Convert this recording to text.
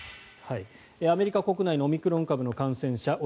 アメリカ国内のオミクロン株の感染者